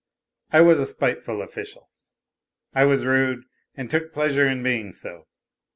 I was a spiteful official. I was rude and took pleasure in being so.